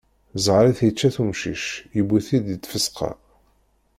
Ẓẓher-is yečča-t umcic, yewwi-t deg tfesqa.